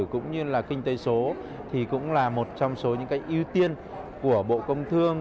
cũng như là kinh tế số thì cũng là một trong số những ưu tiên của bộ công thương